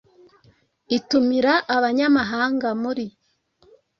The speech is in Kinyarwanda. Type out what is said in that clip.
itumira abanyamahanga muri